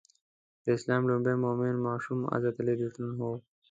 د اسلام لومړی مؤمن ماشوم علي رض و.